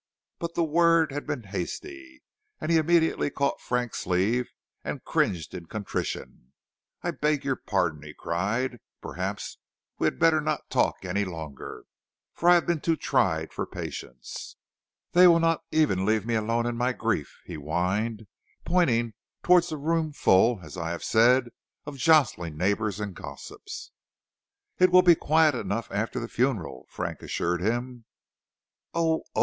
But the word had been hasty, and he immediately caught Frank's sleeve and cringed in contrition. "I beg your pardon," he cried, "perhaps we had better not talk any longer, for I have been too tried for patience. They will not even leave me alone in my grief," he whined, pointing towards the rooms full, as I have said, of jostling neighbors and gossips. "It will be quiet enough after the funeral," Frank assured him. "Oh! oh!